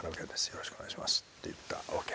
よろしくお願いします」って言ったわけよ。